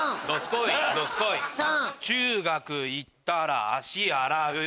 中学行ったら足洗う。